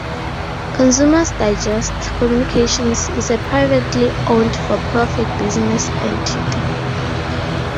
Consumers Digest Communications is a privately owned, for-profit business entity.